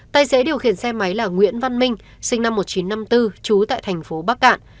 tài xế điều khiển xe máy là nguyễn văn minh sinh năm một nghìn chín trăm năm mươi bốn trú tại thành phố bắc cạn